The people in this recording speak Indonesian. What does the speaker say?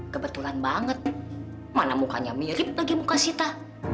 kebetulan banget mana mukanya mirip lagi muka sita